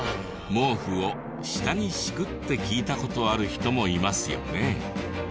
毛布を下に敷くって聞いた事ある人もいますよね。